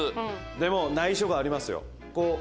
でも内緒がありますよ。